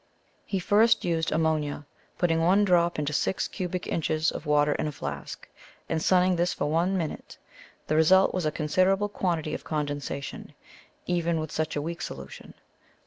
He first used ammonia, putting one drop into six cubic inches of water in a flask, and sunning this for one minute; the result was a considerable quantity of condensation, even with such a weak solution.